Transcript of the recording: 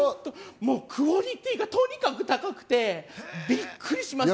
クオリティーがとにかく高くてびっくりしました。